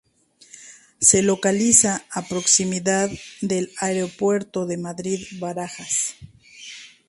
Se localiza a proximidad del Aeropuerto de Madrid-Barajas.